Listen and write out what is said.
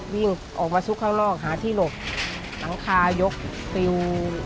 วิ่งออกมาซุกข้างนอกหาที่หลบหลังคายกปิว